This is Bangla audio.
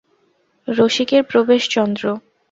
রসিকের প্রবেশ চন্দ্র।